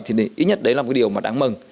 thì ít nhất đấy là một cái điều mà đáng mừng